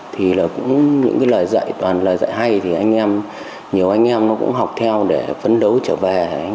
thì là cũng những lời dạy toàn lời dạy hay thì anh em nhiều anh em nó cũng học theo để phấn đấu trở về